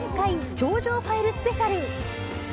超常ファイルスペシャル」